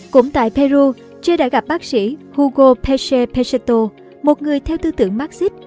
cũng tại peru ché đã gặp bác sĩ hugo péche peixoto một người theo tư tưởng marxist